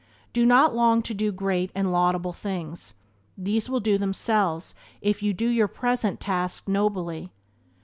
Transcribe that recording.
Do not long to do great and laudable things; these will do themselves if you do your present task nobly.